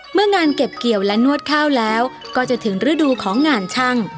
เมื่องานเก็บเกี่ยวและนวดข้าวแล้วก็จะถึงฤดูของงานช่าง